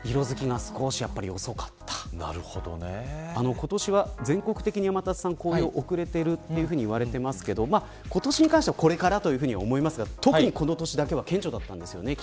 今年は全国的に天達さん紅葉が遅れていると言われていますが今年に関してはこれからとは思いますが特にこの年だけは顕著だったんですよね。